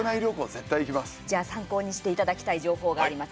じゃあ、参考にしていただきたい情報があります。